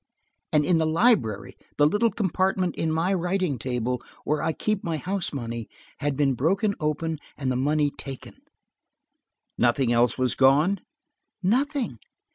And in the library, the little compartment in my writing table, where I keep my house money, had been broken open and the money taken." "Nothing else was gone?" "Nothing.